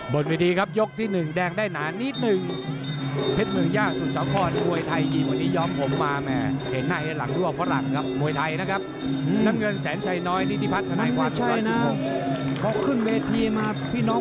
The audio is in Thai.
บนวีดีครับยกที่หนึ่งแดงได้หนานิดนึง